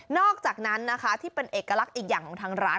อกจากนั้นนะคะที่เป็นเอกลักษณ์อีกอย่างของทางร้าน